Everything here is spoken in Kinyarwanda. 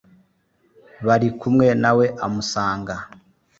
bari kumwe na we amusanga